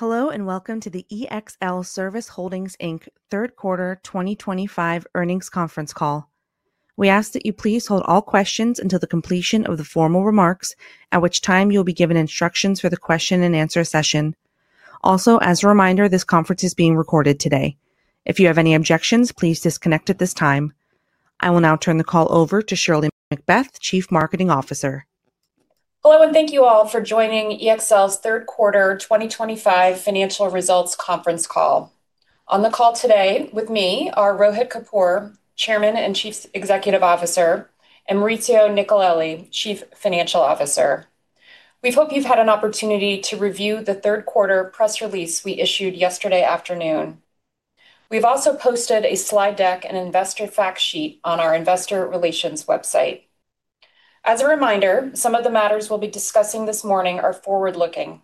Hello and welcome to the EXL Service Holdings Inc. third quarter 2025 earnings conference call. We ask that you please hold all questions until the completion of the formal remarks, at which time you will be given instructions for the question and answer session. Also, as a reminder, this conference is being recorded today. If you have any objections, please disconnect at this time. I will now turn the call over to Shirley Macbeth, Chief Marketing Officer. Hello and thank you all for joining EXL Service Holdings Inc.'s third quarter 2025 financial results conference call. On the call today with me are Rohit Kapoor, Chairman and Chief Executive Officer, and Maurizio Nicolelli, Chief Financial Officer. We hope you've had an opportunity to review the third quarter press release we issued yesterday afternoon. We've also posted a slide deck and investor fact sheet on our investor relations website. As a reminder, some of the matters we'll be discussing this morning are forward looking.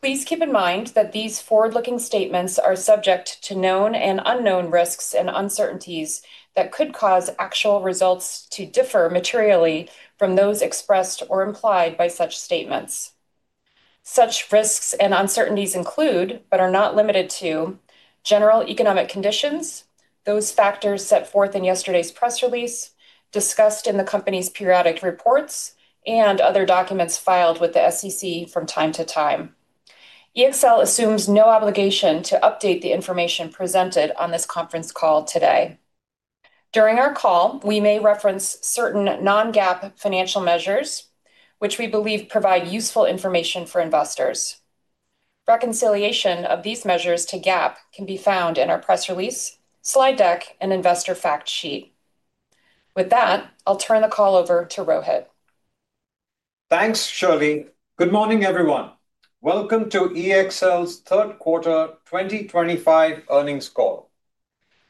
Please keep in mind that these forward looking statements are subject to known and unknown risks and uncertainties that could cause actual results to differ materially from those expressed or implied by such statements. Such risks and uncertainties include, but are not limited to, general economic conditions, those factors set forth in yesterday's press release, discussed in the company's periodic reports and other documents filed with the SEC from time to time. EXL assumes no obligation to update the information presented on this conference call today. During our call we may reference certain non-GAAP financial measures which we believe provide useful information for investors. Reconciliation of these measures to GAAP can be found in our press release, slide deck, and investor fact sheet. With that, I'll turn the call over to Rohit. Thanks, Shirley. Good morning, everyone. Welcome to EXL Service Holdings Inc.'s third quarter 2025 earnings call.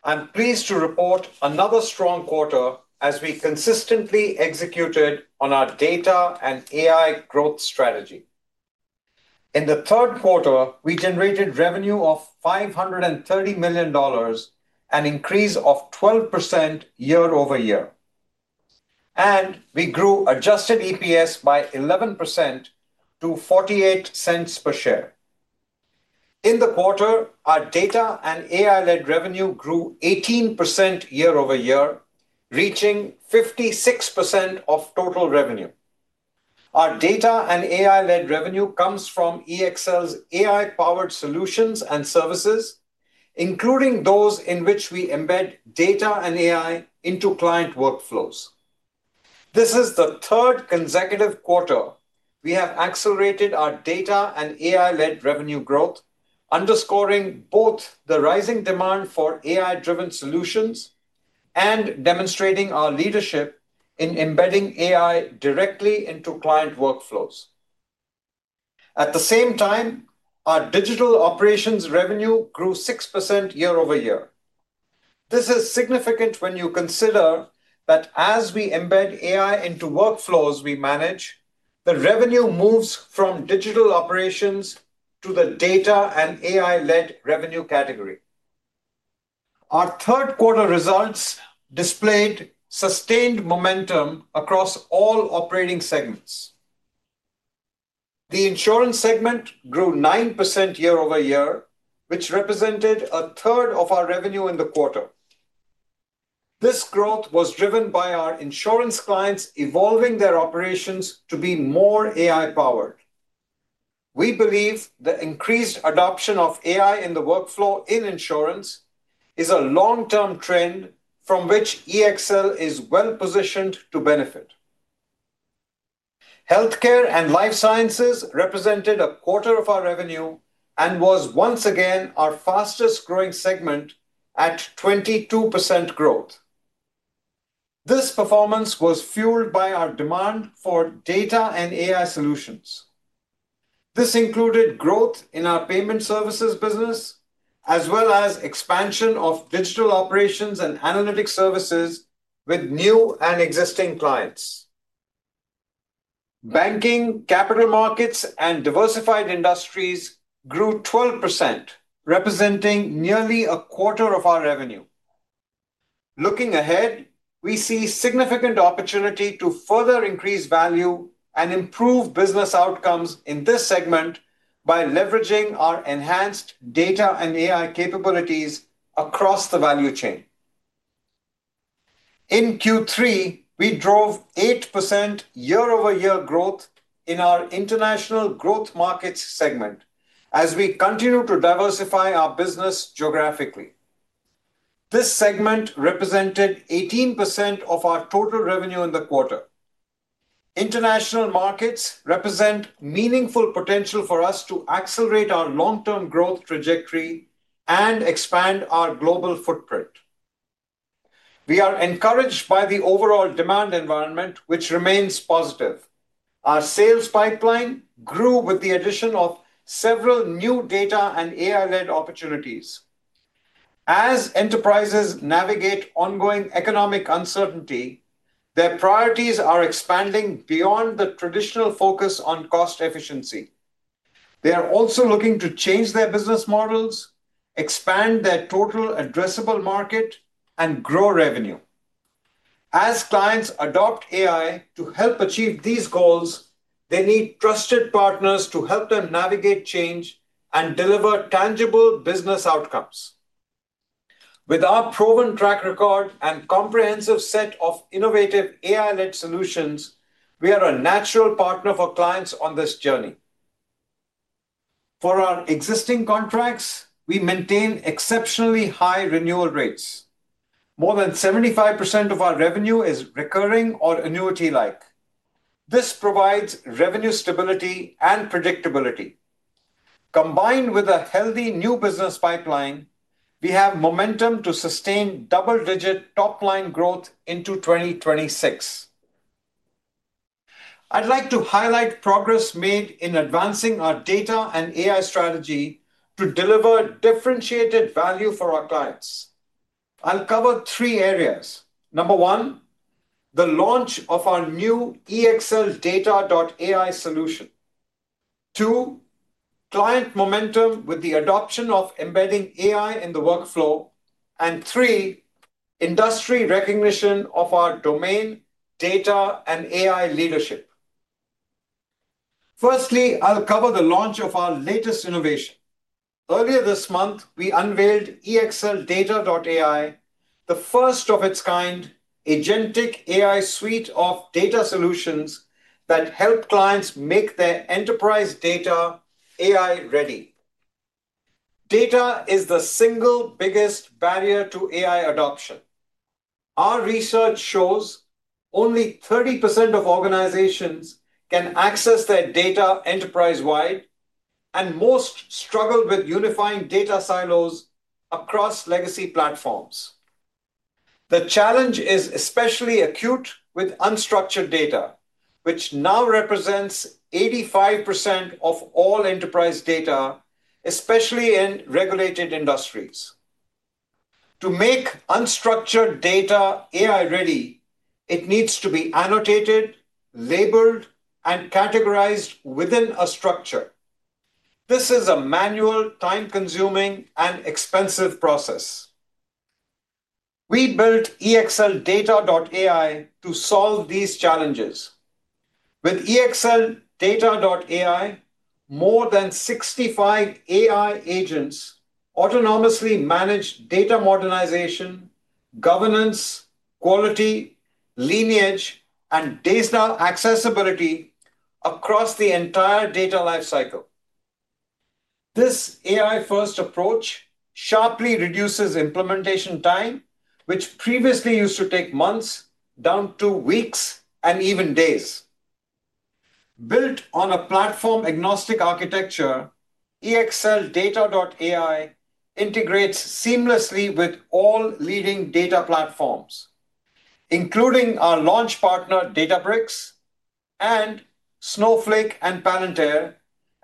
I'm pleased to report another strong quarter as we consistently executed on our data and AI growth strategy. In the third quarter, we generated revenue of $530 million, an increase of 12% year over year, and we grew Adjusted EPS by 11% to $0.48 per share. In the quarter, our data and AI-led revenue grew 18% year over year, reaching 56% of total revenue. Our data and AI-led revenue comes from EXL's AI-powered solutions and services, including those in which we embed data and AI into client workflows. This is the third consecutive quarter we have accelerated our data and AI-led revenue growth, underscoring both the rising demand for AI-driven solutions and demonstrating our leadership in embedding AI directly into client workflows. At the same time, our digital operations revenue grew 6% year over year. This is significant when you consider that as we embed AI into workflows, we manage the revenue moves from digital operations to the data and AI led revenue category. Our third quarter results displayed sustained momentum across all operating segments. The insurance segment grew 9% year over year, which represented a third of our revenue in the quarter. This growth was driven by our insurance clients evolving their operations to be more AI powered. We believe the increased adoption of AI in the workflow in insurance is a long term trend from which EXL is well positioned to benefit. Healthcare and life sciences represented a quarter of our revenue and was once again our fastest growing segment at 22% growth. This performance was fueled by our demand for data and AI solutions. This included growth in our payment services business as well as expansion of digital operations and analytics services with new and existing clients. Banking, capital markets and diversified industries grew 12%, representing nearly a quarter of our revenue. Looking ahead, we see significant opportunity to further increase value and improve business outcomes in this segment by leveraging our enhanced data and AI capabilities across the value chain. In Q3, we drove 8% year over year growth in our international growth markets segment as we continue to diversify our business. Geographically, this segment represented 18% of our total revenue in the quarter. International markets represent meaningful potential for us to accelerate our long term growth trajectory and expand our global footprint. We are encouraged by the overall demand environment, which remains positive. Our sales pipeline grew with the addition of several new data and AI led opportunities. As enterprises navigate ongoing economic uncertainty, their priorities are expanding beyond the traditional focus on cost efficiency. They are also looking to change their business models, expand their total addressable market and grow revenue. As clients adopt AI to help achieve these goals, they need trusted partners to help them navigate change and deliver tangible business outcomes. With our proven track record and comprehensive set of innovative AI-powered solutions, we are a natural partner for clients on this journey. For our existing contracts, we maintain exceptionally high renewal rates. More than 75% of our revenue is recurring or annuity. This provides revenue, stability, and predictability. Combined with a healthy new business pipeline, we have momentum to sustain double-digit top line growth into 2026. I'd like to highlight progress made in advancing our data and AI strategy to deliver differentiated value for our clients. I'll cover three areas. Number one, the launch of our new exldata.ai solution, two, client momentum with the adoption of embedding AI in the workflow, and three, industry recognition of our domain, data, and AI leadership. Firstly, I'll cover the launch of our latest innovation. Earlier this month we unveiled exldata.ai, the first-of-its-kind Agentic AI suite of data solutions that help clients make their enterprise data AI ready. Data is the single biggest barrier to AI adoption. Our research shows only 30% of organizations can access their data enterprise-wide, and most struggle with unifying data silos across legacy platforms. The challenge is especially acute with unstructured data, which now represents 85% of all enterprise data, especially in regulated industries. To make unstructured data AI ready, it needs to be annotated, labeled, and categorized within a structure. This is a manual, time-consuming, and expensive process. We built exldata.ai to solve these challenges. With exldata.ai, more than 65 AI agents autonomously manage data modernization, governance, quality, lineage, and data accessibility across the entire data lifecycle. This AI-first approach sharply reduces implementation time, which previously used to take months, down to weeks and even days. Built on a platform-agnostic architecture, exldata.ai integrates seamlessly with all leading data platforms including our launch partner Databricks, Snowflake, and Palantir,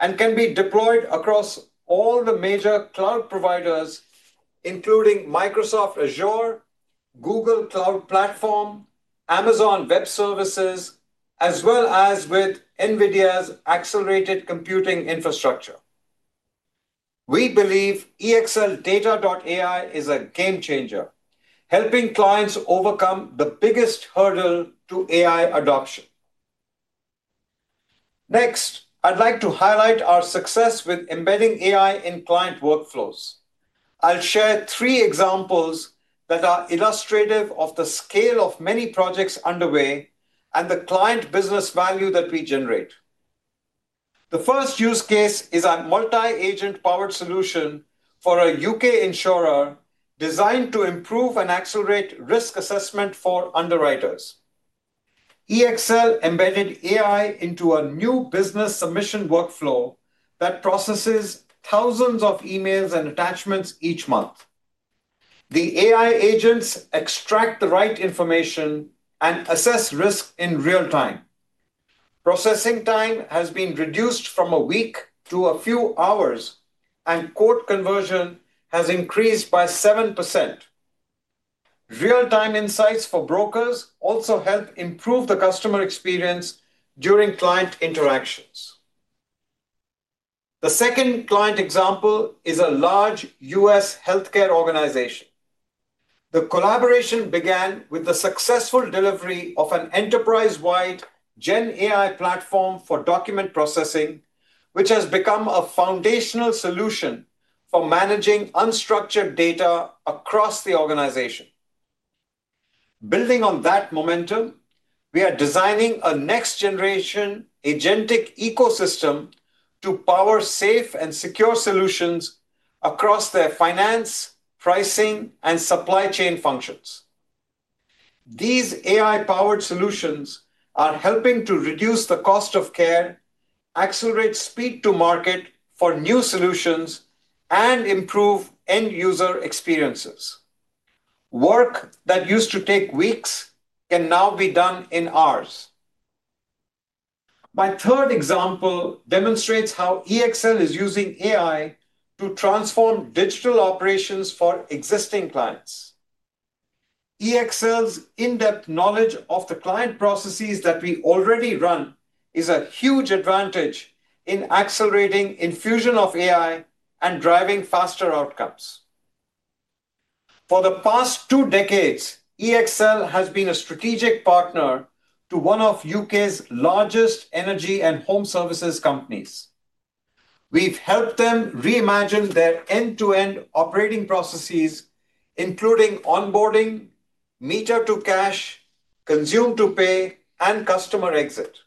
and can be deployed across all the major cloud providers including Microsoft Azure, Google Cloud Platform, Amazon Web Services, as well as with NVIDIA's accelerated computing infrastructure. We believe exldata.ai is a game changer, helping clients overcome the biggest hurdle to AI adoption. Next, I'd like to highlight our success with embedding AI in client workflows. I'll share three examples that are illustrative of the scale of many projects underway and the client business value that we generate. The first use case is our multi-agent powered solution for a UK insurer designed to improve and accelerate risk assessment for underwriters. EXL embedded AI into a new business submission workflow that processes thousands of emails and attachments each month. The AI agents extract the right information and assess risk in real time. Processing time has been reduced from a week to a few hours, and quote conversion has increased by 7%. Real-time insights for brokers also help improve the customer experience during client interactions. The second client example is a large U.S. healthcare organization. The collaboration began with the successful delivery of an enterprise-wide GenAI platform for document processing, which has become a foundational solution for managing unstructured data across the organization. Building on that momentum, we are designing a next-generation agentic ecosystem to power safe and secure solutions across their finance, pricing, and supply chain functions. These AI-powered solutions are helping to reduce the cost of care, accelerate speed to market for new solutions, and improve end user experiences. Work that used to take weeks can now be done in hours. My third example demonstrates how EXL is using AI to transform digital operations for existing clients. EXL's in-depth knowledge of the client processes that we already run is a huge advantage in accelerating infusion of AI and driving faster outcomes. For the past two decades, EXL has been a strategic partner to one of the UK's largest energy and home services companies. We've helped them reimagine their end-to-end operating processes, including onboarding, meter to cash, consume to pay, and customer exit,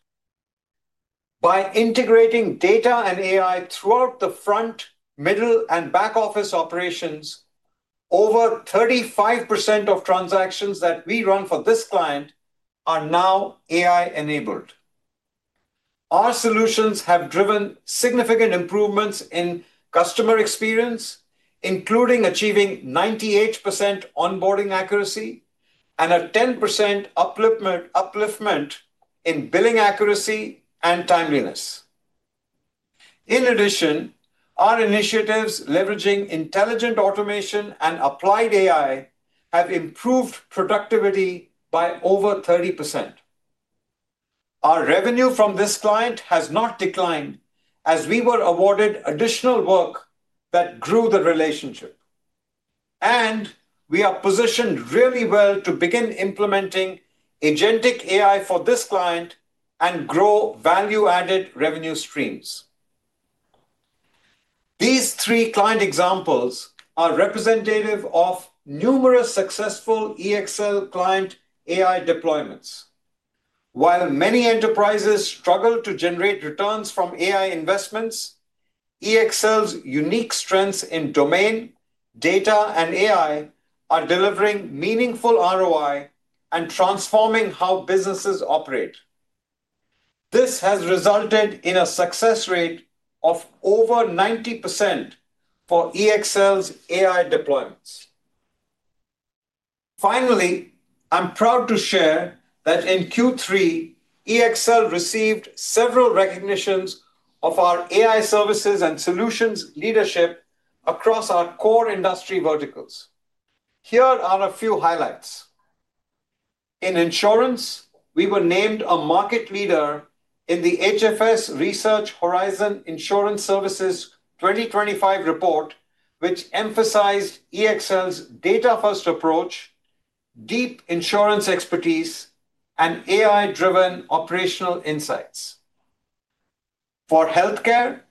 by integrating data and AI throughout the front, middle, and back office operations. Over 35% of transactions that we run for this client are now AI-enabled. Our solutions have driven significant improvements in customer experience, including achieving 98% onboarding accuracy and a 10% uplift in billing accuracy and timeliness. In addition, our initiatives leveraging intelligent automation and applied AI have improved productivity by over 30%. Our revenue from this client has not declined as we were awarded additional work that grew the relationship, and we are positioned really well to begin implementing agentic AI for this client and grow value-added revenue streams. These three client examples are representative of numerous successful EXL client AI deployments. While many enterprises struggle to generate returns from AI investments, EXL's unique strengths in domain data and AI are delivering meaningful ROI and transforming how businesses operate. This has resulted in a success rate of over 90% for EXL's AI deployments. Finally, I'm proud to share that in Q3 EXL received several recognitions of our AI services and solutions leadership across our core industry verticals. Here are a few highlights. In insurance, we were named a Market Leader in the HFS Research Horizon Insurance Services 2025 report, which emphasized EXL's data first approach, deep insurance expertise, and AI-driven operational insights. For healthcare,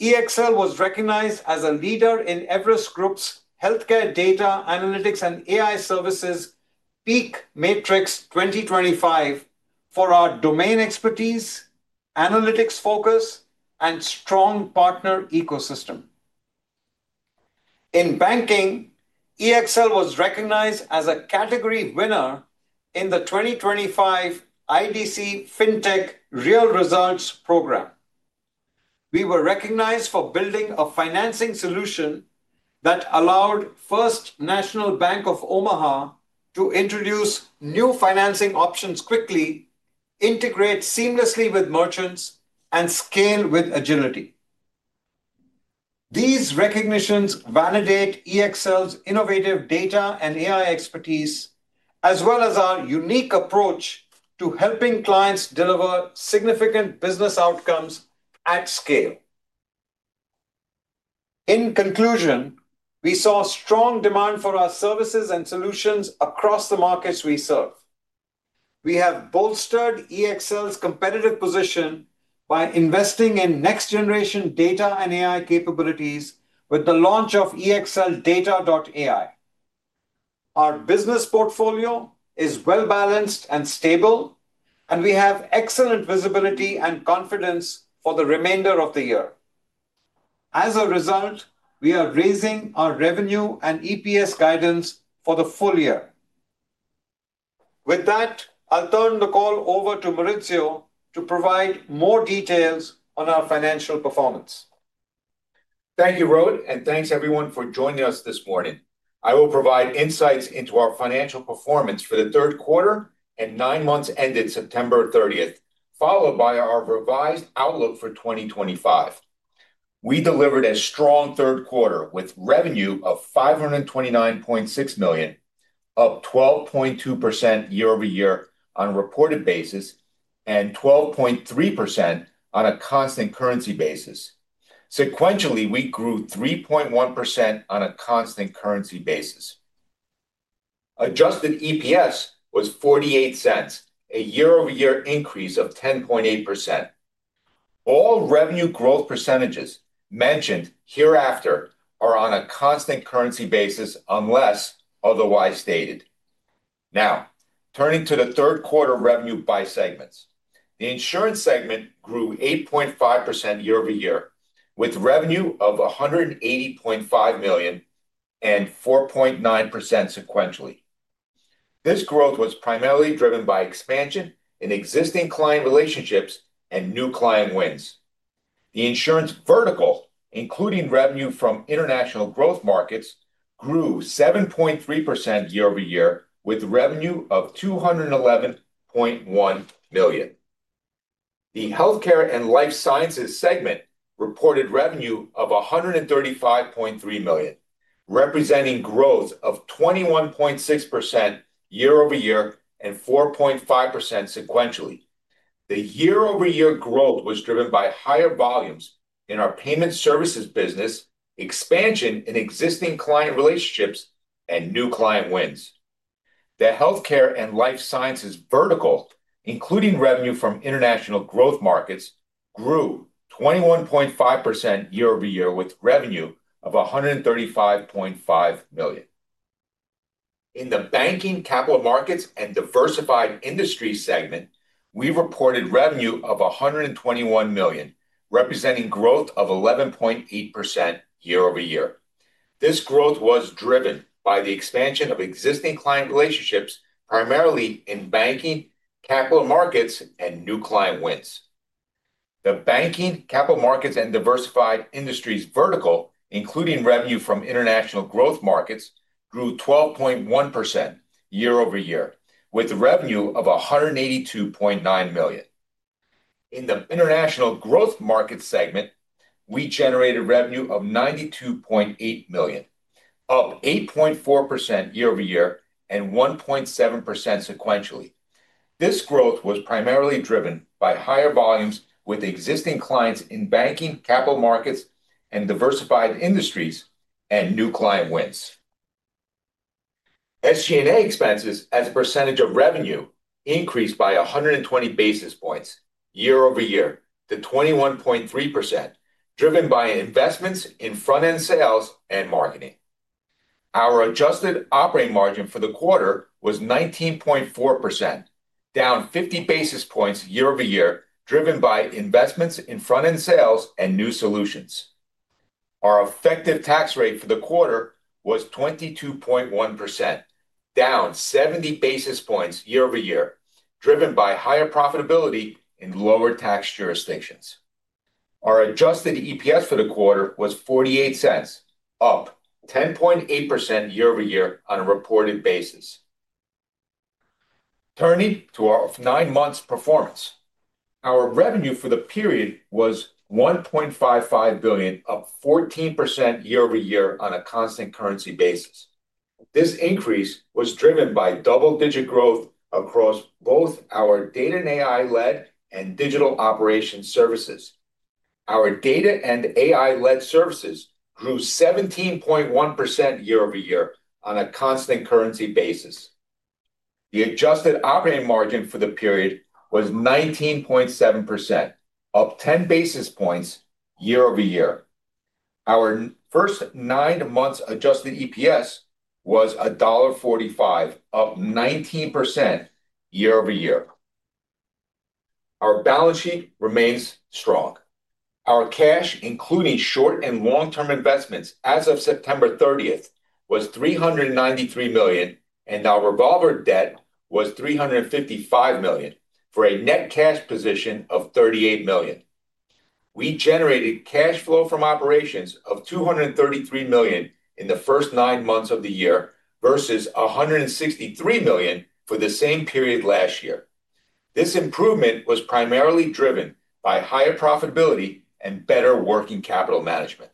EXL was recognized as a leader in Everest Group's Healthcare Data Analytics and AI Services Peak Matrix 2025 for our domain expertise, analytics focus, and strong partner ecosystem. In banking, EXL was recognized as a category winner in the 2025 IDC Fintech Real Results program. We were recognized for building a financing solution that allowed First National Bank of Omaha to introduce new financing options quickly, integrate seamlessly with merchants, and scale with agility. These recognitions validate EXL's innovative data and AI expertise as well as our unique approach to helping clients deliver significant business outcomes at scale. In conclusion, we saw strong demand for our services and solutions across the markets we serve. We have bolstered EXL's competitive position by investing in next generation data and AI capabilities with the launch of exldata.ai. Our business portfolio is well balanced and stable, and we have excellent visibility and confidence for the remainder of the year. As a result, we are raising our revenue and EPS guidance for the full year. With that, I'll turn the call over to Maurizio to provide more details on our financial performance. Thank you, Rohit, and thanks everyone for joining us this morning. I will provide insights into our financial performance for the third quarter and nine months ended September 30, followed by our revised outlook for 2025. We delivered a strong third quarter with revenue of $529.6 million, up 12.2% year over year on a reported basis and 12.3% on a constant currency basis. Sequentially, we grew 3.1% on a constant currency basis. Adjusted EPS was $0.48, a year over year increase of 10.8%. All revenue growth percentages mentioned hereafter are on a constant currency basis unless otherwise stated. Now turning to the third quarter revenue by segments, the insurance segment grew 8.5% year over year with revenue of $180.5 million and 4.9% sequentially. This growth was primarily driven by expansion in existing client relationships and new client wins. The insurance vertical, including revenue from international growth markets, grew 7.3% year over year with revenue of $211.1 million. The healthcare and life sciences segment reported revenue of $135.3 million, representing growth of 21.6% year over year and 4.5% sequentially. The year over year growth was driven by higher volumes in our payment services business, expansion in existing client relationships, and new client wins. The healthcare and life sciences vertical, including revenue from international growth markets, grew 21.5% year over year with revenue of $135.5 million. In the banking, capital markets, and diversified industries segment, we reported revenue of $121 million, representing growth of 11.8% year over year. This growth was driven by the expansion of existing client relationships, primarily in banking, capital markets, and new client wins. The banking, capital markets, and diversified industries vertical, including revenue from international growth markets, grew 12.1% year over year with revenue of $182.9 million. In the international growth market segment, we generated revenue of $92.8 million, up 8.4% year over year and 1.7% sequentially. This growth was primarily driven by higher volumes with existing clients in banking, capital markets, and diversified industries, and new client wins. SGA expenses as a percentage of revenue increased by 120 basis points year over year to 21.3%, driven by investments in front-end sales and marketing. Our adjusted operating margin for the quarter was 19.4%, down 50 basis points year over year, driven by investments in front-end sales and new solutions. Our effective tax rate for the quarter was 22.1%, down 70 basis points year over year, driven by higher profitability in lower tax jurisdictions. Our Adjusted EPS for the quarter was $0.48, up 10.8% year over year on a reported basis. Turning to our nine months performance, our revenue for the period was $1.55 billion, up 14% year over year on a constant currency basis. This increase was driven by double-digit growth across both our data and AI-led and digital operations services. Our data and AI-led services grew 17.1% year over year on a constant currency basis. The adjusted operating margin for the period was 19.7%, up 10 basis points year over year. Our first nine months Adjusted EPS was $1.45, up 19% year over year. Our balance sheet remains strong. Our cash, including short and long-term investments as of September 30, was $393 million, and our revolver debt was $355 million for a net cash position of $38 million. We generated cash flow from operations of $233 million in the first nine months of the year versus $163 million for the same period last year. This improvement was primarily driven by higher profitability and better working capital management.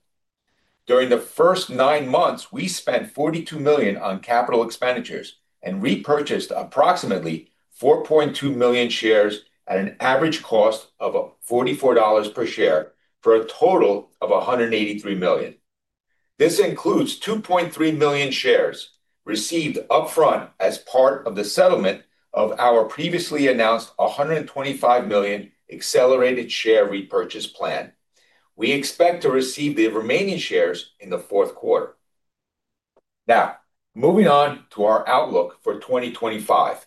During the first nine months, we spent $42 million on capital expenditures and repurchased approximately 4.2 million shares at an average cost of $44 per share for a total of $183 million. This includes 2.3 million shares received up front as part of the settlement of our previously announced $125 million accelerated share repurchase plan. We expect to receive the remaining shares in the fourth quarter. Now moving on to our outlook for 2025,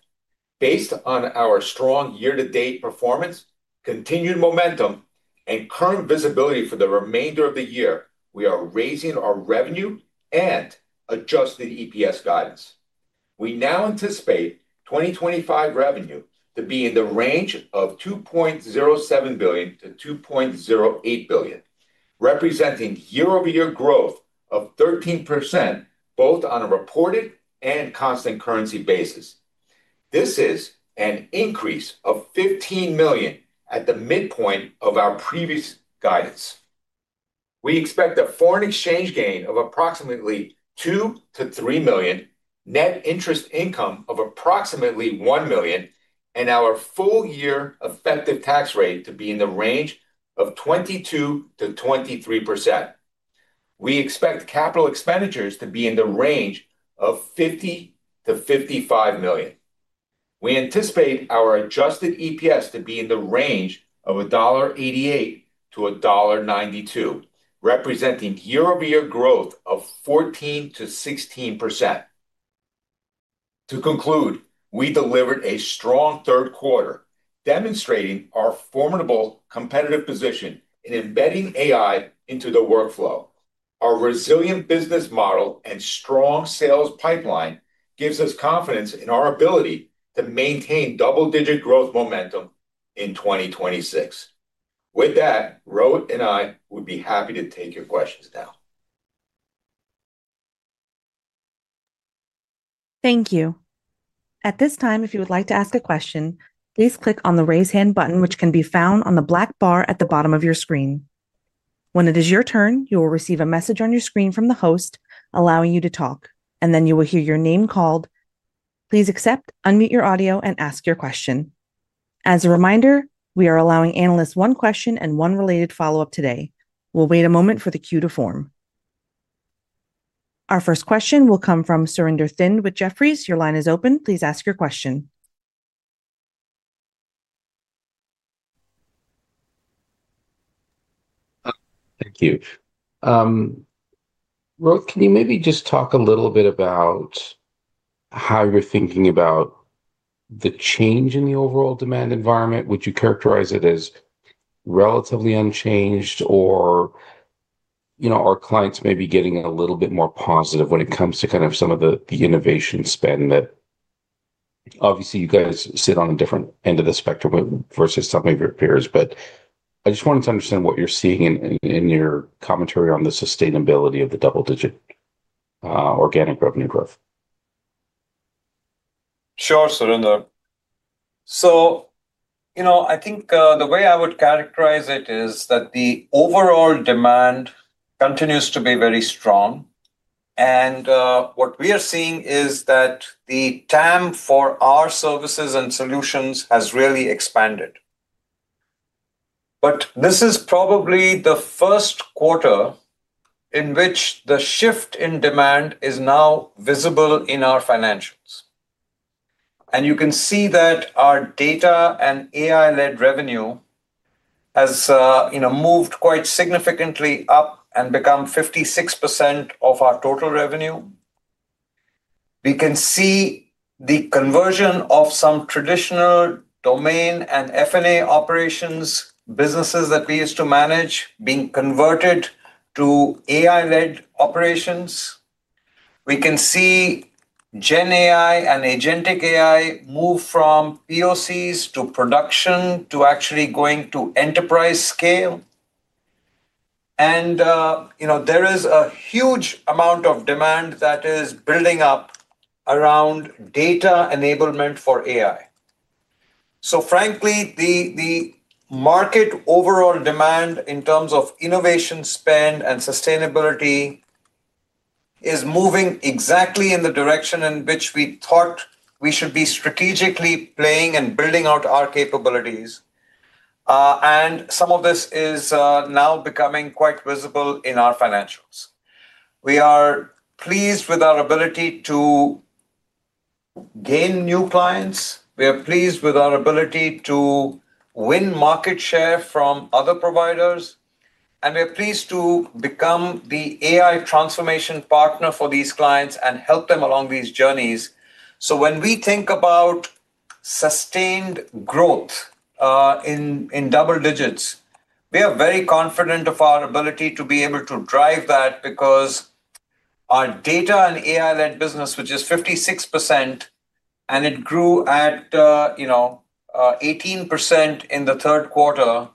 based on our strong year-to-date performance, continued momentum, and current visibility for the remainder of the year, we are raising our revenue and Adjusted EPS guidance. We now anticipate 2025 revenue to be in the range of $2.07 billion to $2.08 billion, representing year over year growth of 13% both on a reported and constant currency basis. This is an increase of $15 million at the midpoint of our previous guidance. We expect a foreign exchange gain of approximately $2 million to $3 million, net interest income of approximately $1 million, and our full year effective tax rate to be in the range of 22% to 23%. We expect capital expenditures to be in the range of $50 million to $55 million. We anticipate our Adjusted EPS to be in the range of $1.88 to $1.92, representing year over year growth of 14% to 16%. To conclude, we delivered a strong third quarter, demonstrating our formidable competitive position in embedding AI into the workflow. Our resilient business model and strong sales pipeline give us confidence in our ability to maintain double-digit growth momentum in 2026. With that, Rohit and I would be happy to take your questions now. Thank you. At this time, if you would like to ask a question, please click on the Raise hand button, which can be found on the black bar at the bottom of your screen. When it is your turn, you will receive a message on your screen from the host allowing you to talk, and then you will hear your name called. Please accept, unmute your audio, and ask your question. As a reminder, we are allowing analysts one question and one related follow-up today. We'll wait a moment for the queue to form. Our first question will come from Surinder Thind with Jefferies LLC. Your line is open. Please ask your question. Thank you. Ro, can you maybe just talk a little bit about how you're thinking about the change in the overall demand environment? Would you characterize it as relatively unchanged, or are clients maybe getting a little bit more positive when it comes to some of the innovation spend? Obviously, you guys sit on a different end of the spectrum versus some of your peers, but I just wanted to understand what you're seeing in your commentary on the sustainability of the double-digit organic revenue growth. Sure. I think the way I would characterize it is that the overall demand continues to be very strong, and what we are seeing is that the TAM for our services and solutions has really expanded. This is probably the first quarter in which the shift in demand is now visible. In our financials, you can see that our data and AI led revenue has moved quite significantly up and become 56% of our total revenue. We can see the conversion of some traditional domain and FNA operations businesses that we used to manage being converted to AI-led operations. We can see GenAI and Agentic AI move from POCs to production to actually going to enterprise scale. There is a huge amount of demand that is building up around data enablement for AI. Frankly, the market overall demand in terms of innovation, spend, and sustainability is moving exactly in the direction in which we thought we should be strategically playing are building out our capabilities, and some of this is now becoming quite visible in our financials. We are pleased with our ability to gain new clients. We are pleased with our ability to win market share from other providers, and we are pleased to become the AI transformation partner for these clients and help them along these journeys. When we think about sustained growth in double digits, we are very confident of our ability to be able to drive that, because our data and AI led business, which is 56% and it grew at 18% in the third quarter,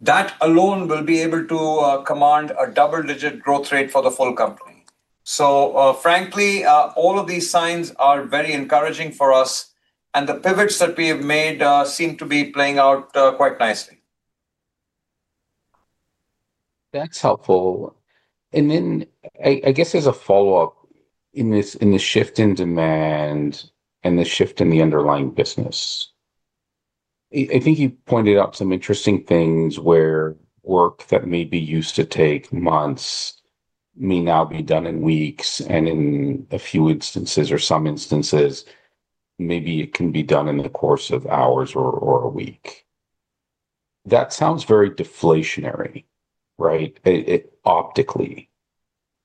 that alone will be able to command a double digit growth rate for the full company. Frankly, all of these signs are very encouraging for us, and the pivots that we have made seem to be playing out quite nicely. That's helpful. I guess as a follow-up in this, in the shift in demand and the shift in the underlying business, I think you pointed out some interesting things where work that maybe used to take months may now be done in weeks. In a few instances or some instances, maybe it can be done in the course of hours or a week. That sounds very deflationary, right? Optically,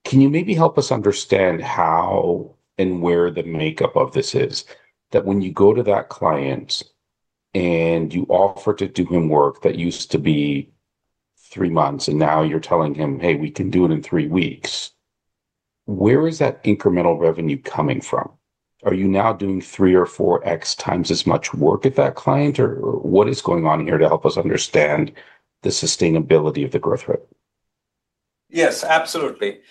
can you maybe help us understand how and where the makeup of this is? When you go to that client and you offer to do him work that used to be three months and now you're telling him, hey, we can do it in three weeks, where is that incremental revenue coming from? Are you now doing 3 or 4x times as much work at that client or what is going on here to help us understand the sustainability of the growth rate? Yes, absolutely.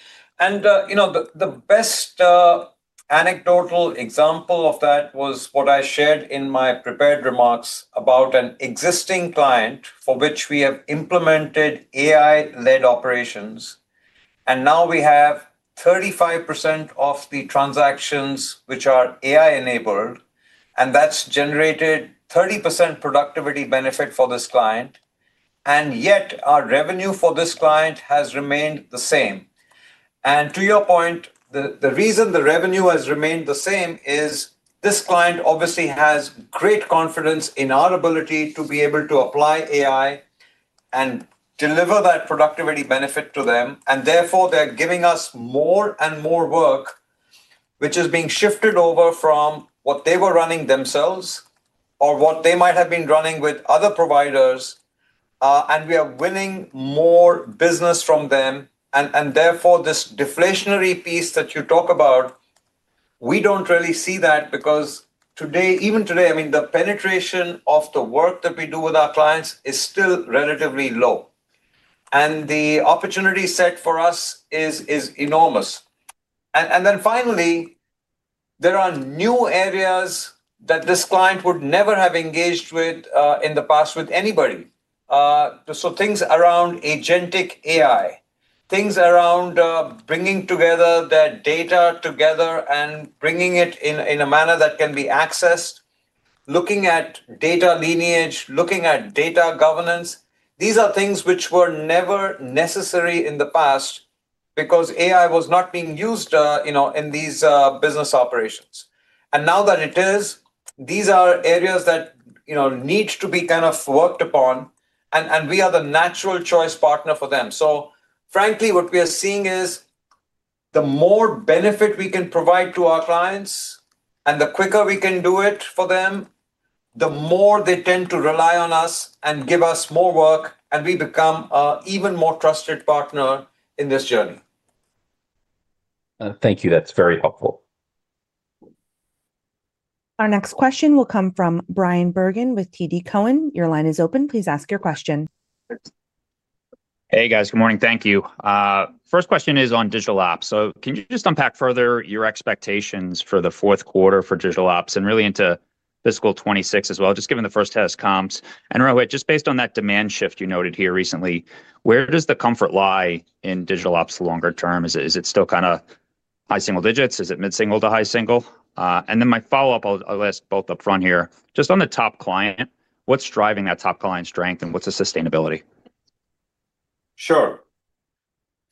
The best anecdotal example of that was what I shared in my prepared remarks about an existing client for which we have implemented AI-led operations. Now we have 35% of the transactions which are AI-enabled, and that's generated a 30% productivity benefit for this client. Yet our revenue for this client has remained the same. To your point, the reason the revenue has remained the same is this client obviously has great confidence in our ability to be able to apply AI and deliver that productivity benefit to them. Therefore, they're giving us more and more work, which is being shifted over from what they were running themselves or what they might have been running with other providers. We are winning more business from them. This deflationary piece that you talk about, we don't really see that because even today the penetration of the work that we do with our clients is still relatively low, and the opportunity set for us is enormous. Finally, there are new areas that this client would never have engaged with in the past with anybody. Things around Agentic AI, things around bringing that data together and bringing it in a manner that can be accessed, looking at data lineage, looking at data governance—these are things which were never necessary in the past because AI was not being used in these business operations. Now that it is, these are areas that need to be worked upon, and we are the natural choice partner for them. Frankly, what we are seeing is the more benefit we can provide to our clients and the quicker we can do it for them, the more they tend to rely on us and give us more work, and we become an even more trusted partner in this journey. Thank you, that's very helpful. Our next question will come from Bryan Bergin with TD Cowen. Your line is open. Please ask your question. Hey guys. Good morning. Thank you. First question is on digital ops. Can you just unpack further your expectations for the fourth quarter for digital ops and really into fiscal 2026 as well? Just given the first test comps and Rohit, just based on that demand shift you noted here recently, where does the comfort lie in digital ops longer term? Is it still kind of high single digits? Is it mid single to high single? My follow up, I'll list both up front here, just on the top client, what's driving that, top client strength and what's the sustainability? Sure.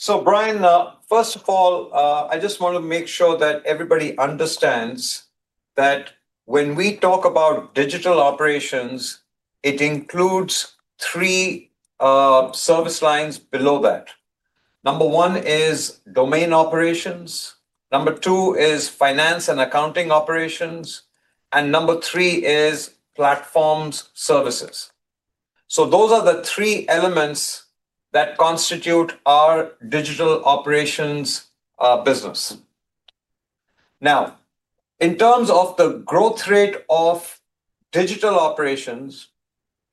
Bryan, first of all, I just want to make sure that everybody understands that when we talk about digital operations, it includes three service lines. Below that, number one is domain operations, number two is finance and accounting operations, and number three is platform services. Those are the three elements that constitute our digital operations business. In terms of the growth rate of digital operations,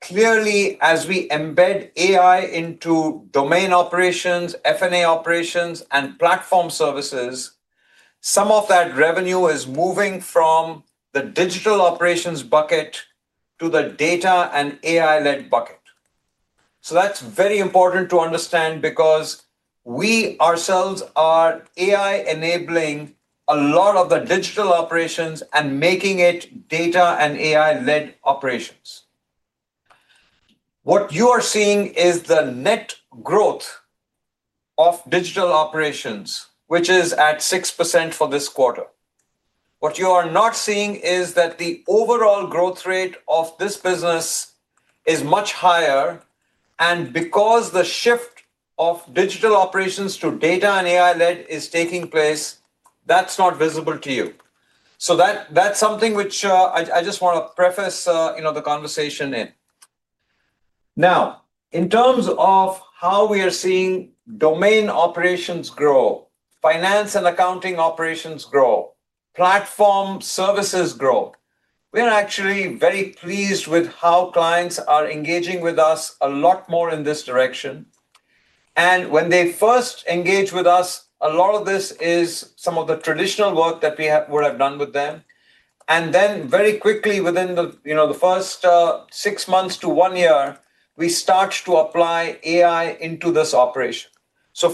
clearly as we embed AI into domain operations, finance and accounting operations, and platform services, some of that revenue is moving from the digital operations bucket to the data and AI led bucket. That's very important to understand because we ourselves are AI enabling a lot of the digital operations and making it data and AI led operations. What you are seeing is the net growth of digital operations, which is at 6% for this quarter. What you are not seeing is that the overall growth rate of this business is much higher. Because the shift of digital operations to data and AI led is taking place, that's not visible to you. That's something which I just want to preface the conversation in. Now, in terms of how we are seeing domain operations grow, finance and accounting operations grow, platform services grow, we are actually very pleased with how clients are engaging with us a lot more in this direction. When they first engage with us, a lot of this is some of the traditional work that we would have done with them. Then very quickly, within the first six months to one year, we start to apply AI into this operation.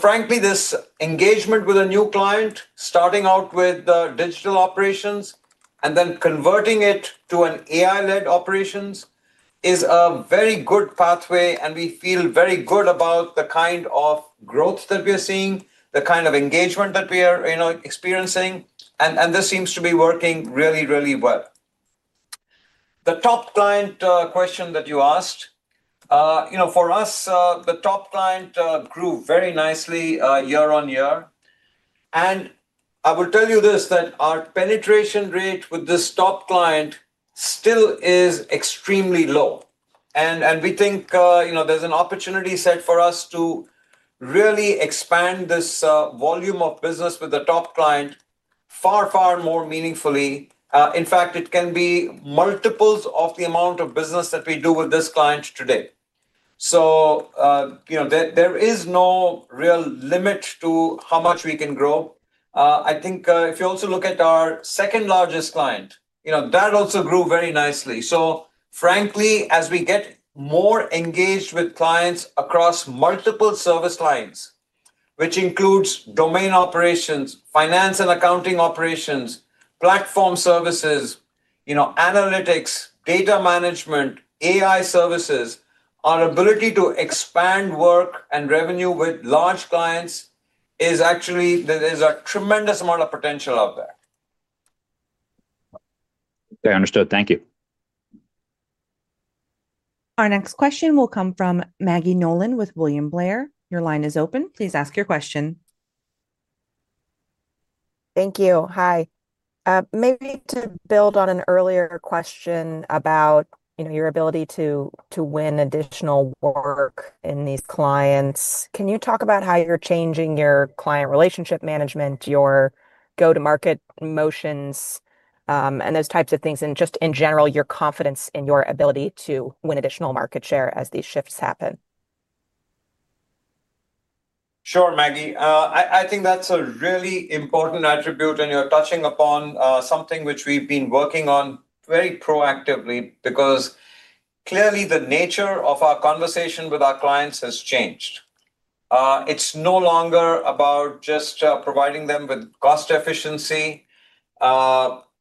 Frankly, this engagement with a new client, starting out with digital operations and then converting it to an AI led operations, is a very good pathway. We feel very good about the kind of growth that we are seeing, the kind of engagement that we are experiencing. This seems to be working really, really well. The top client question that you asked for us, the top client grew very nicely year on year. I will tell you this, that our penetration rate with this top client still is extremely low. We think there's an opportunity set for us to really expand this volume of business with the top client far, far more meaningfully. In fact, it can be multiples of the amount of business that we do with this client today. There is no real limit to how much we can grow. If you also look at our second largest client, you know, that also grew very nicely. Frankly, as we get more engaged with clients across multiple service lines, which includes domain operations, finance and accounting operations, platform services, analytics, data management, AI services, our ability to expand work and revenue with large clients is actually, there is a tremendous amount of potential out there. I understood. Thank you. Our next question will come from Maggie Nolan with William Blair. Your line is open. Please ask your question. Thank you. Hi. Maybe to build on an earlier question about, you know, your ability to win additional work in these clients. Can you talk about how you're changing your client relationship management, your go to market motions and those types of things, and just in general, your confidence in your ability to win additional market share as these shifts happen? Sure, Maggie. I think that's a really important attribute. You're touching upon something which we've been working on very proactively because clearly the nature of our conversation with our clients has changed. It's no longer about just providing them with cost efficiency.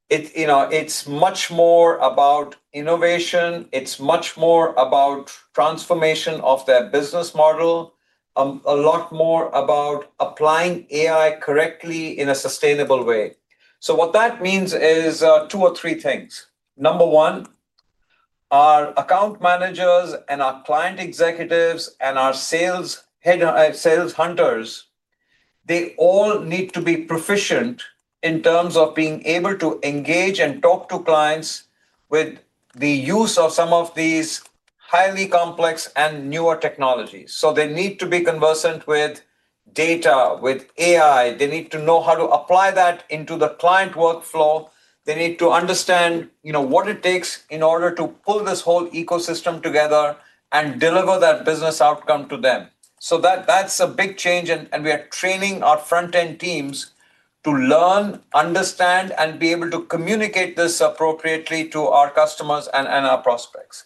It's much more about innovation. It's much more about transformation of their business model, a lot more about applying AI correctly in a sustainable way. What that means is two or three things. Number one, our account managers, our client executives, and our sales head, sales hunters, they all need to be proficient in terms of being able to engage and talk to clients with the use of some of these highly complex and newer technologies. They need to be conversant with data, with AI. They need to know how to apply that into the client workflow. They need to understand what it takes in order to pull this whole ecosystem together and deliver that business outcome to them. That's a big change and we are training our front-end teams to learn, understand, and be able to communicate this appropriately to our customers and our prospects.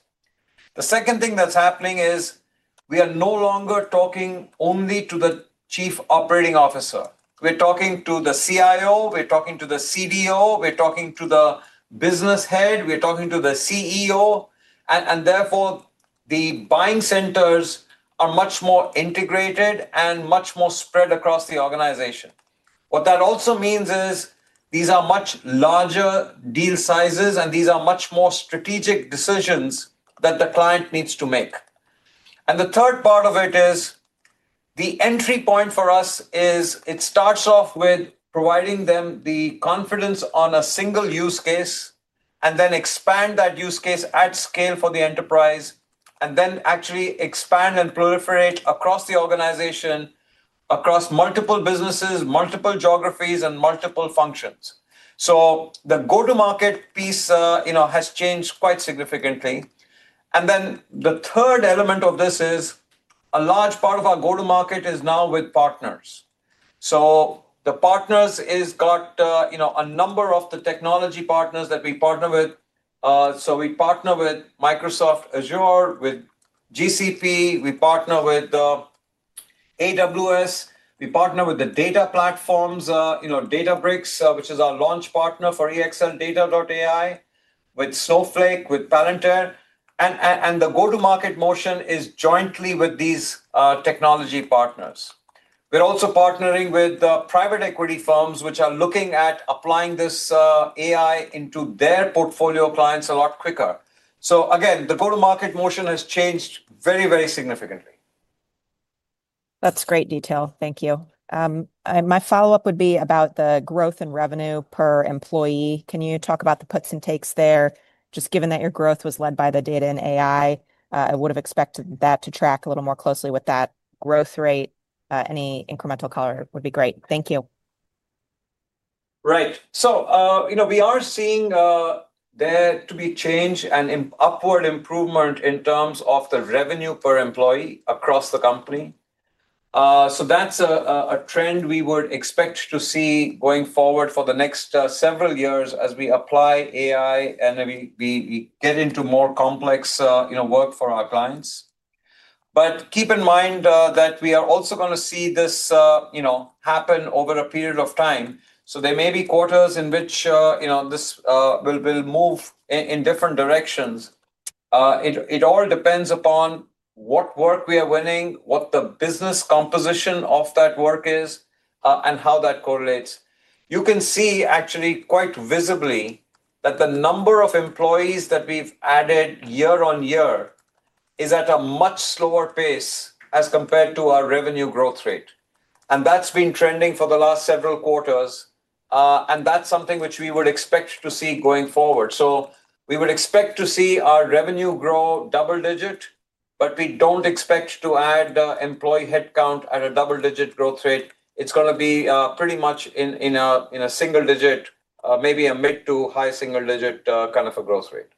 The second thing that's happening is we are no longer talking only to the Chief Operating Officer, we're talking to the CIO, we're talking to the CDO, we're talking to the business head, we're talking to the CEO. Therefore, the buying centers are much more integrated and much more spread across the organization. What that also means is these are much larger deal sizes and these are much more strategic decisions that the client needs to make. The third part of it is, the entry point for us is it starts off with providing them the confidence on a single use case and then expand that use case at scale for the enterprise and then actually expand and proliferate across the organization, across multiple businesses, multiple geographies, and multiple functions. The go-to-market piece has changed quite significantly. The third element of this is a large part of our go-to-market is now with partners. The partners has got a number of the technology partners that we partner with. We partner with Microsoft Azure, with Google Cloud Platform, we partner with AWS, we partner with the data platforms Databricks, which is our launch partner for exldata.ai, with Snowflake, with Palantir. The go-to-market motion is jointly with these technology partners. We're also partnering with private equity firms which are looking at applying this AI into their portfolio clients a lot quicker. Again, the go-to-market motion has changed very, very significantly. That's great detail. Thank you. My follow up would be about the growth in revenue per employee. Can you talk about the puts and takes there? Just given that your growth was led by the data and AI, I would have expected that to track a little more closely with that growth rate. Any incremental color would be great. Thank you. Right, so you know, we are seeing there to be change and upward improvement in terms of the revenue per employee across the company. That's a trend we would expect to see going forward for the next several years as we apply AI and we get into more complex work for our clients. Keep in mind that we are also going to see this happen over a period of time. There may be quarters in which this will move in different directions. It all depends upon what work we are winning, what the business composition of that work is, and how that correlates. You can see actually quite visibly that the number of employees that we've added year on year is at a much slower pace as compared to our revenue growth rate. That's been trending for the last several quarters and that's something which we would expect to see going forward. We would expect to see our revenue grow double digit, but we don't expect to add employee headcount at a double digit growth rate. It's going to be pretty much in a single digit, maybe a mid to high single digit kind of a growth rate.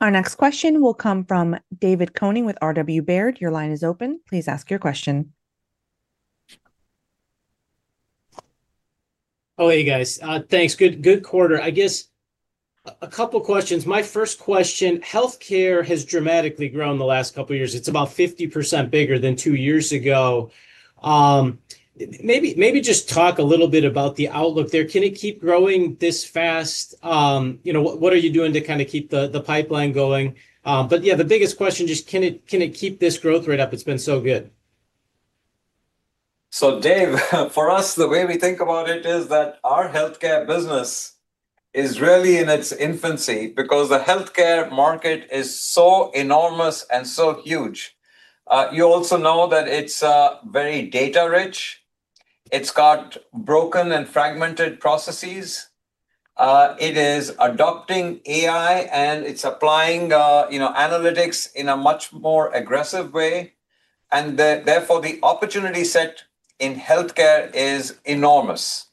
Our next question will come from David Koning with Robert W. Baird. Your line is open. Please ask your question. Oh, hey guys, thanks. Good, good quarter, I guess. A couple questions. My first question, Healthcare has dramatically grown the last couple years. It's about 50% bigger than two years ago. Maybe just talk a little bit about the outlook there. Can it keep growing this fast? What are you doing to kind of keep the pipeline going? The biggest question is just can it keep this growth rate up? It's been so good. Dave, for us, the way we think about it is that our healthcare business is really in its infancy because the healthcare market is so enormous and so huge. You also know that it's very data rich. It's got broken and fragmented processes, it is adopting AI and it's applying analytics in a much more aggressive way. Therefore, the opportunity set in healthcare is enormous.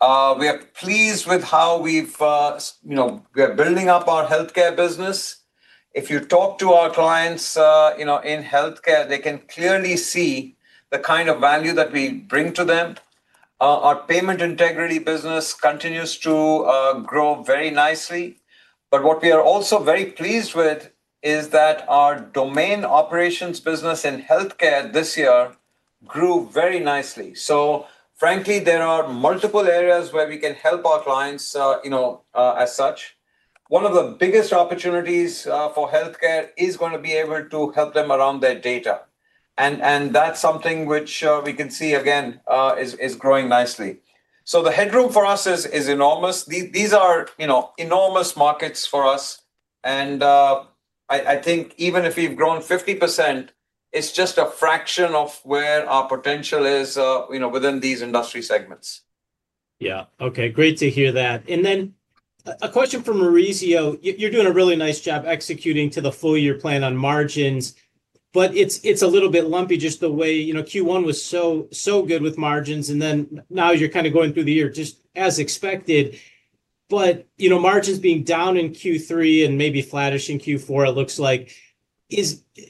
We are pleased with how we've building up our healthcare business. If you talk to our clients in healthcare, they can clearly see the kind of value that we bring to them. Our payment integrity business continues to grow very nicely. What we are also very pleased with is that our domain operations business in healthcare this year grew very nicely. Frankly, there are multiple areas where we can help our clients. As such, one of the biggest opportunities for healthcare is going to be able to help them around their data. That's something which we can see again is growing nicely. The headroom for us is enormous. These are enormous markets for us. I think even if we've grown 50%, it's just a fraction of where our potential is within these industry segments. Yeah. Okay, great to hear that. A question for Maurizio. You're doing a really nice job executing to the full year plan on margins, but it's a little bit lumpy. Just the way, you know, Q1 was so, so good with margins and then now you're kind of going through the year just as expected. Margins being down in Q3 and maybe flattish in Q4, it looks like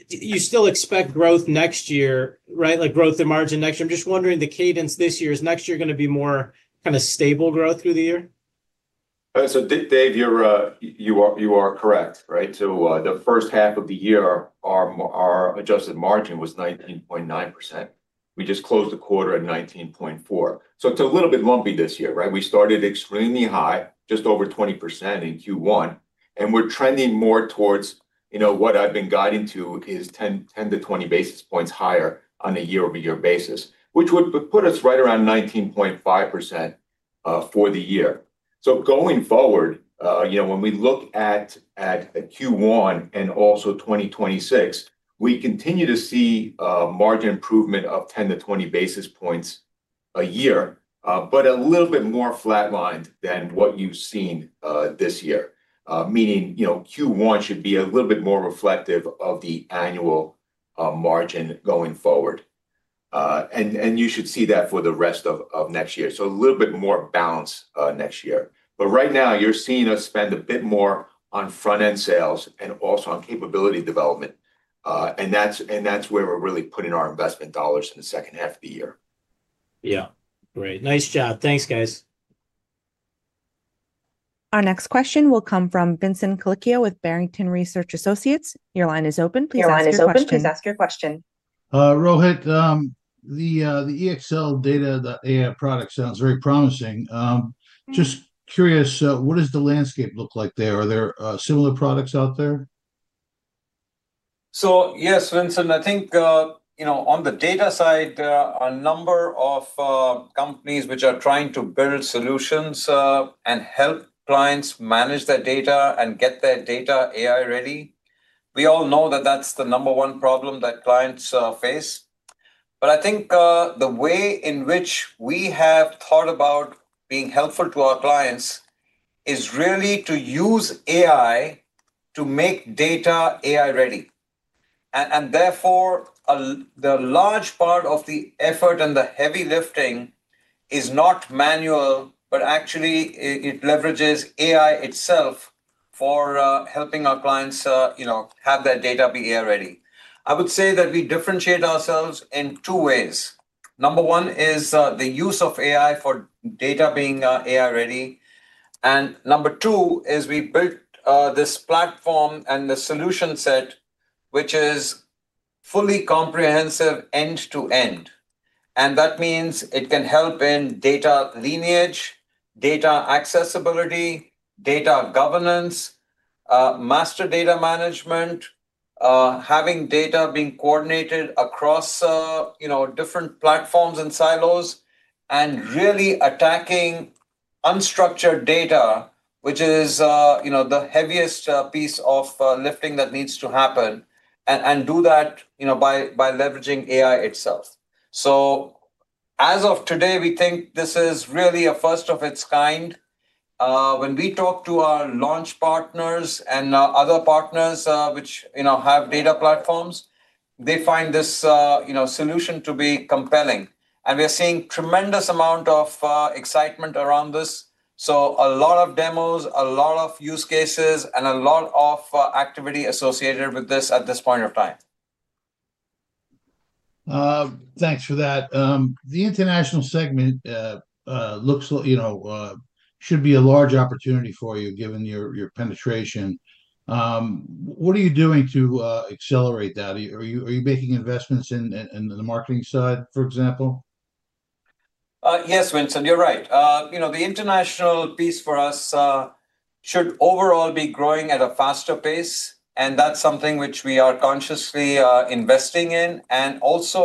you still expect growth next year, right, like growth in margin next year. I'm just wondering the cadence this year. Is next year going to be more kind of stable growth through the year? You are correct. The first half of the year, our adjusted margin was 19.9%. We just closed the quarter at 19.4%. It is a little bit lumpy this year. We started extremely high, just over 20% in Q1, and we are trending more towards what I have been guiding to, which is 10 to 20 basis points higher on a year-over-year basis, which would put us right around 19.5% for the year. Going forward, when we look at Q1 and also 2026, we continue to see margin improvement of 10 to 20 basis points a year, but a little bit more flatlined than what you have seen this year. Q1 should be a little bit more reflective of the annual margin going forward, and you should see that for the rest of next year. There will be a little bit more balance next year. Right now, you are seeing us spend a bit more on front-end sales and also on capability development, and that is where we are really putting our investment dollars in the second half of the year. Yeah, great. Nice job. Thanks, guys. Our next question will come from Vincent Colicchio with Barrington Research Associates. Your line is open, please ask your question. Rohit, the exldata.ai product sounds very promising. Just curious, what does the landscape look like there? Are there similar products out there? Yes, Vincent, I think, you know, on the data side, a number of companies are trying to build solutions and help clients manage their data and get their data AI ready. We all know that's the number one problem that clients face. I think the way in which we have thought about being helpful to our clients is really to use AI to make data AI ready. Therefore, the large part of the effort and the heavy lifting is not manual, but actually it leverages AI itself for helping our clients have their data be AI ready. I would say that we differentiate ourselves in two ways. Number one is the use of AI for data being AI ready. Number two is we built this platform and the solution set, which is fully comprehensive, end to end. That means it can help in data lineage, data accessibility, data governance, master data management, having data being coordinated across different platforms and silos, and really attacking unstructured data, which is the heaviest piece of lifting that needs to happen, and do that by leveraging AI itself. As of today, we think this is really a first of its kind. When we talk to our launch partners and other partners which have data platforms, they find this solution to be compelling. We are seeing tremendous amount of excitement around this, a lot of demos, a lot of use cases, and a lot of activity associated with this at this point of time. Thanks for that. The international segment looks like should be a large opportunity for you given your penetration. What are you doing to accelerate that? Are you making investments in the marketing side, for example? Yes, Vincent, you're right. The international piece for us should overall be growing at a faster pace. That's something which we are consciously investing in and also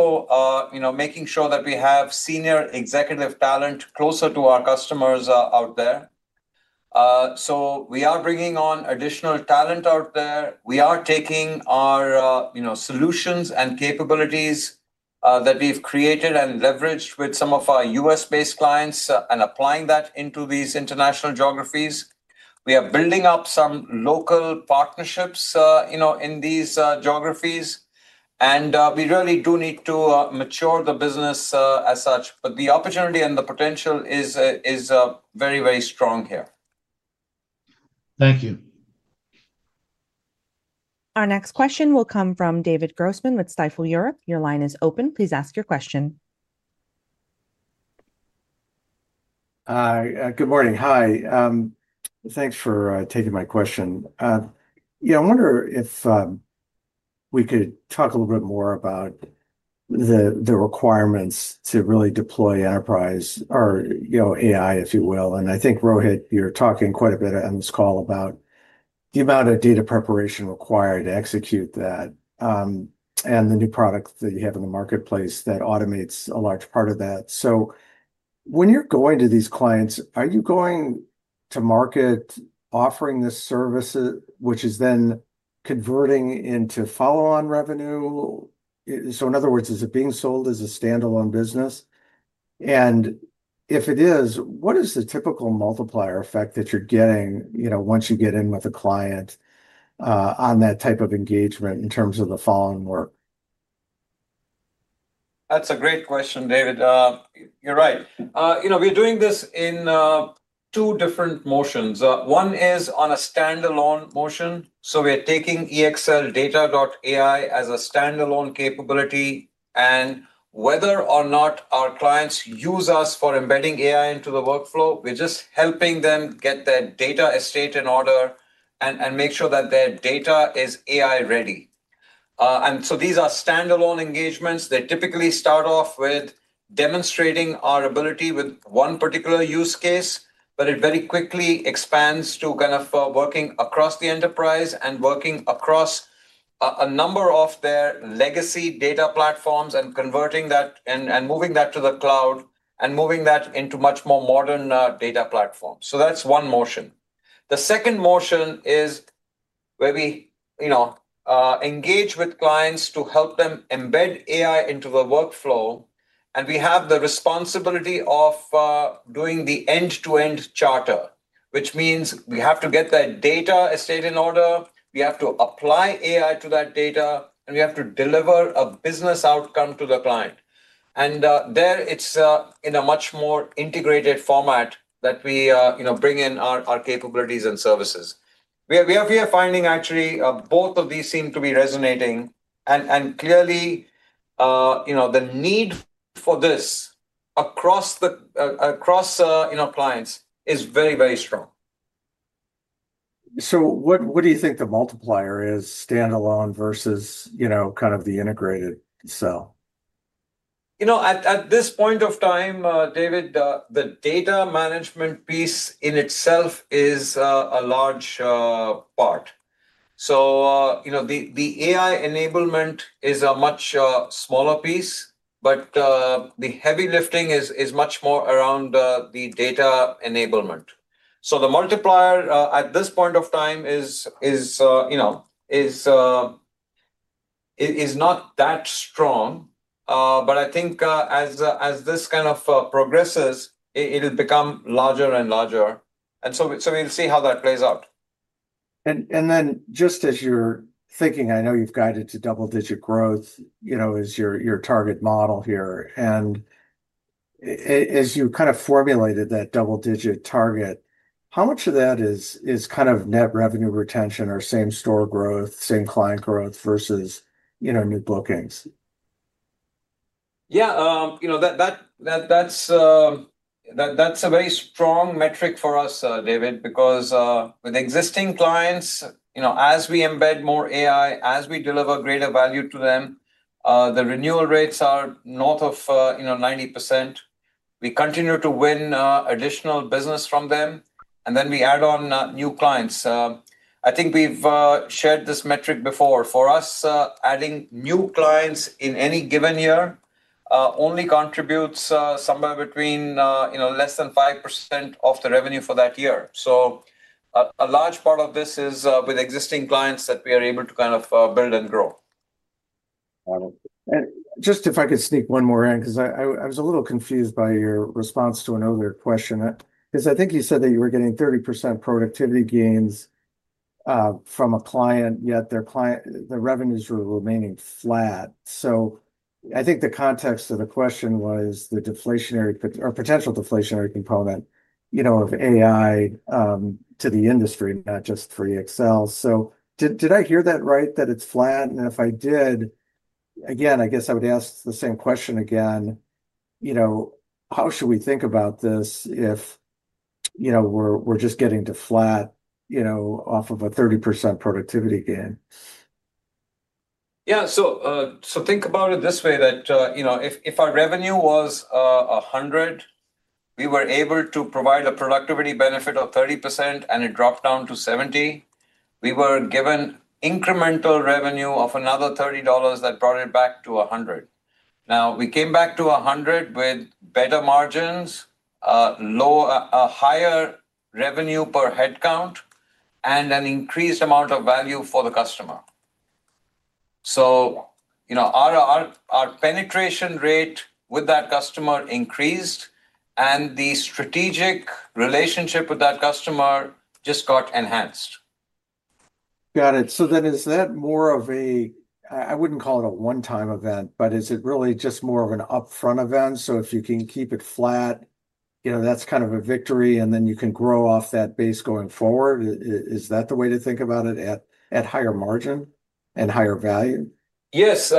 making sure that we have senior executive talent closer to our customers out there. We are bringing on additional talent out there. We are taking our solutions and capabilities that we've created and leveraged with some of our U.S.-based clients and applying that into these international geographies. We are building up some local partnerships in these geographies, and we really do need to mature the business as such. The opportunity and the potential is very, very strong here. Thank you. Our next question will come from David Grossman with Stifel Europe. Your line is open. Please ask your question. Good morning. Hi. Thanks for taking my question. I wonder if we could talk a little bit more about the requirements to really deploy enterprise or, you know, AI, if you will. I think, Rohit, you're talking quite a bit on this call about the amount of data preparation required to execute that and the new product that you have in the marketplace that automates a large part of that. When you're going to these clients, are you going to market offering this service which is then converting into follow-on revenue? In other words, is it being sold as a standalone business? If it is, what is the typical multiplier effect that you're getting, you know, once you get in with a client on that type of engagement in terms of the following work? That's a great question, David. You're right. We're doing this in two different motions. One is on a standalone motion. We are taking exldata.ai as a standalone capability, and whether or not our clients use us for embedding AI into the workflow, we're just helping them get their data estate in order and make sure that their data is AI ready. These are standalone engagements. They typically start off with demonstrating our ability with one particular use case, but it very quickly expands to working across the enterprise and working across a number of their legacy data platforms and converting that and moving that to the cloud and into much more modern data platforms. That's one motion. The second motion is where we engage with clients to help them embed AI into the workflow. We have the responsibility of doing the end-to-end charter, which means we have to get that data estate in order, we have to apply AI to that data, and we have to deliver a business outcome to the client. There it's in a much more integrated format that we bring in our capabilities and services. We are finding actually both of. These seem to be resonating, and clearly, you know, the need for this across clients is very, very strong. What do you think the multiplier is standalone versus, you know, kind of the integrated cell? At this point of time, David, the data management piece in itself is a large part. The AI enablement is a much smaller piece, but the heavy lifting is much more around the data enablement. The multiplier at this point of time is not that strong. I think as this kind of progresses, it'll become larger and larger and we'll see how that plays out. As you're thinking, I know you've guided to double digit growth, you know, as your target model here and as you kind of formulated that double digit target, how much of that is kind of net revenue retention or same store growth, same client growth versus in our new bookings? Yeah, you know, that's a very strong metric for us, David, because with existing clients, as we embed more AI, as we deliver greater value to them, the renewal rates are north of 90%. We continue to win additional business from them, and then we add on new clients. I think we've shared this metric before. For us, adding new clients in any given year only contributes somewhere between less than 5% of the revenue for that year. A large part of this is with existing clients that we are able to kind of build and grow. Just if I could sneak one more in, because I was a little confused by your response to another question. I think you said that you were getting 30% productivity gains from a client, yet their client, the revenues were remaining flat. I think the context of the question was the deflationary or potential deflationary component of AI to the industry, not just for EXL. Did I hear that right? That it's flat. If I did, again, I guess I would ask the same question again. How should we think about this if we're just getting to flat, off of a 30% productivity gain? Yeah. Think about it this way, that, you know, if our revenue was $100, we were able to provide a productivity benefit of 30% and it dropped down to $70. We were given incremental revenue of another $30. That brought it back to $100. Now we came back to $100 with better margins, a higher revenue per headcount, and an increased amount of value for the customer. You know, our penetration rate with that customer increased and the strategic relationship with that customer just got enhanced. Got it. Is that more of a, I wouldn't call it a one time event, but is it really just more of an upfront event? If you can keep it flat, you know, that's kind of a victory and then you can grow off that base going forward. Is that the way to think about it at higher margin and higher value? Yes.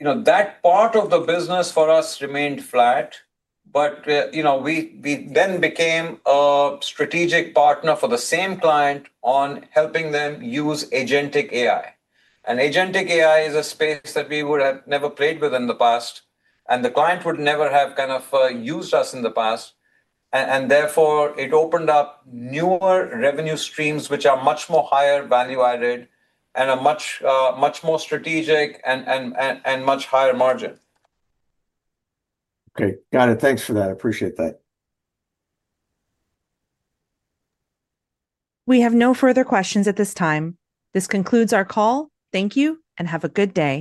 You know, that part of the business for us remained flat, but we then became a strategic partner for the same client on helping them use Agentic AI, and Agentic AI is a space that we would have never played with in the past and the client would never have kind of used us in the past. Therefore, it opened up newer revenue streams which are much more higher value added and much, much more strategic and much higher margin. Okay, got it. Thanks for that. I appreciate that. We have no further questions at this time. This concludes our call. Thank you and have a good day.